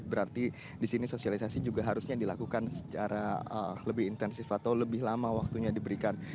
berarti di sini sosialisasi juga harusnya dilakukan secara lebih intensif atau lebih lama waktunya diberikan